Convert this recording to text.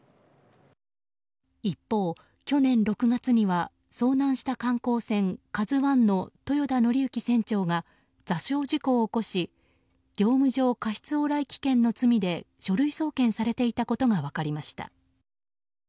一方、去年６月には遭難した観光船「ＫＡＺＵ１」の豊田徳幸船長が座礁事故を起こし業務上過失往来危険の罪で書類送検されていたことが分かりました。